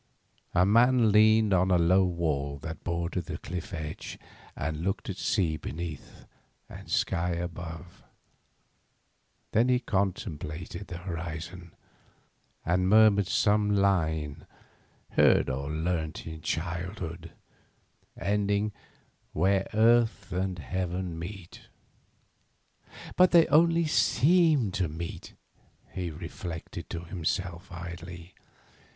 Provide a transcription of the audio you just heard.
A man leaned on the low wall that bordered the cliff edge, and looked at sea beneath and sky above. Then he contemplated the horizon, and murmured some line heard or learnt in childhood, ending "where earth and heaven meet." "But they only seem to meet," he reflected to himself, idly.